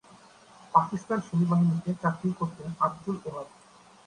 পাকিস্তান সেনাবাহিনীতে চাকরি করতেন আবদুল ওহাব।